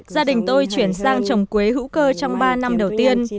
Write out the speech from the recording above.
gia đình tôi chuyển sang trồng quế hữu cơ trong ba năm đầu tiên